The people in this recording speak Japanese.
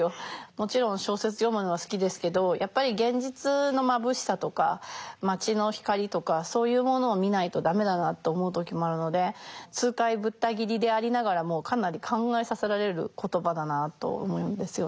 もちろん小説読むのは好きですけどやっぱり現実のまぶしさとか街の光とかそういうものを見ないと駄目だなと思う時もあるので痛快ぶった切りでありながらもかなり考えさせられる言葉だなあと思うんですよね。